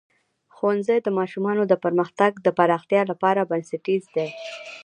ښوونځی د ماشومانو د پوهې د پراختیا لپاره بنسټیز دی.